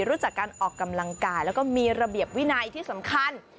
รู้จักการออกกำลังกายแล้วก็มีระเบียบวินัยที่สำคัญ